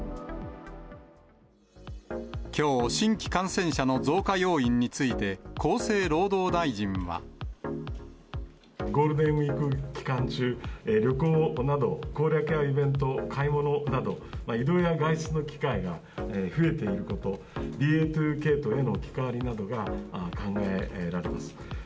きょう、新規感染者の増加要因について、ゴールデンウィーク期間中、旅行など、行楽やイベント、買い物など、いろいろな外出の機会が増えていること、ＢＡ．２系統への置き換わりなどが考えられます。